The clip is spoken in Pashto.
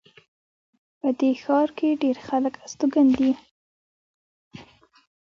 په دې ښار کې ډېر خلک استوګن دي